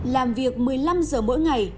làm việc một mươi năm giờ mỗi ngày